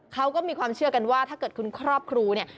เขาก็มีความเชื่อกันว่าถ้าเกิดคุณครอบครูเนี่ย